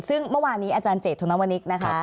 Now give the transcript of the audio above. ซึ่งเมื่อวานนี้อาจารย์เจตธนวนิกนะคะ